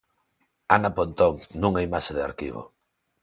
Ana Pontón, nunha imaxe de arquivo.